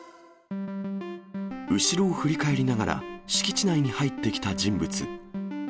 後ろを振り返りながら、敷地内に入ってきた人物。